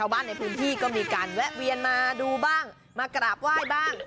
บ้านในพื้นที่ก็มีการแวะเวียนมาดูบ้างมากราบไหว้บ้าง